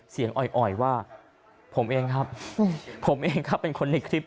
อ่อยว่าผมเองครับผมเองครับเป็นคนในคลิป